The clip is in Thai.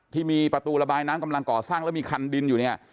ที่มีประตูระบายน้ำกำลังก่อสร้างแล้วมีคันดินอยู่เนี่ย